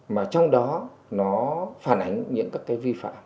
mà trong đó nó phản ánh những các cái vi phạm